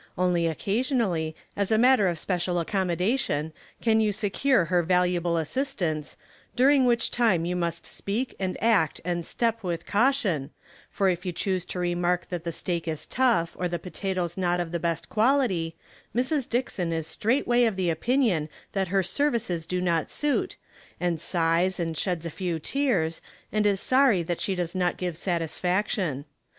Only occasionally, as a matter of special accommodation, can you secure her valuable assistance, during which time yoa must speak and act and step with caution, for if you chance to remark that the steak is tough or the potatoes not of the best quality, Mrs. Dickson is straightway of the opinion that her services do not suit, and sighs and sheds a few tears, and is sorry that she does not give satisfac tion.